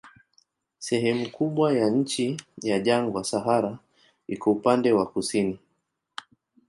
Sehemu kubwa ya nchi ni jangwa, Sahara iko upande wa kusini.